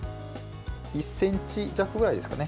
１ｃｍ弱ぐらいですかね。